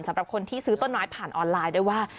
สำหรับคนที่ซื้อต้นไม้ผ่านออนไลน์ด้วยว่า